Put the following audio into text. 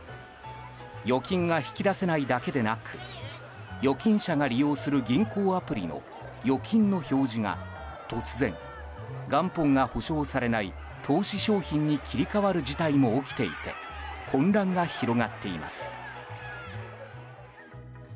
預金が引き出せないだけでなく預金者が利用する銀行アプリの「預金」の表示が突然、元本が保証されない「投資商品」に切り替わる事態も起きていて混乱が広がっています。